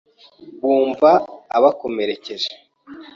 bumva abakomerekeje.